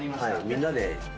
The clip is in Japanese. みんなで。